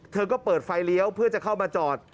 เธอก็เปิดไฟเลี้ยวเพื่อจะเข้ามาจอด